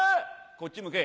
「こっち向け」